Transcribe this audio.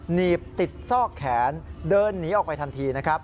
หนีบติดซอกแขนเดินหนีออกไปทันทีนะครับ